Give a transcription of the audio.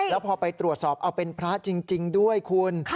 แล้วพอไปตรวจสอบเอาเป็นพระจริงด้วยคุณ